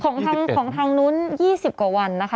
ของทางนู้น๒๐กว่าวันนะคะ